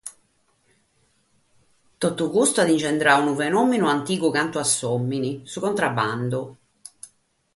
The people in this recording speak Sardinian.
Totu custu at ingendradu unu fenòmenu antigu cantu a s'òmine: su contrabbandu.